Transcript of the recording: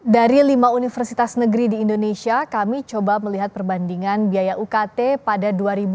dari lima universitas negeri di indonesia kami coba melihat perbandingan biaya ukt pada dua ribu dua puluh